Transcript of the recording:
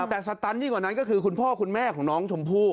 แต่สตันยิ่งกว่านั้นก็คือคุณพ่อคุณแม่ของน้องชมพู่